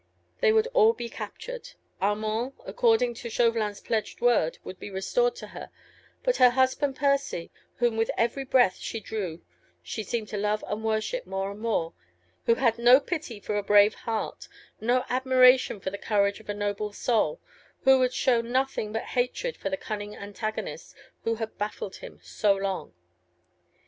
They would all be captured. Armand, according to Chauvelin's pledged word, would be restored to her, but her husband, Percy, whom with every breath she drew she seemed to love and worship more and more, he would fall into the hands of a remorseless enemy, who had no pity for a brave heart, no admiration for the courage of a noble soul, who would show nothing but hatred for the cunning antagonist, who had baffled him so long.